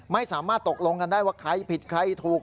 ไม่สามารถตกลงกันได้ว่าใครผิดใครถูก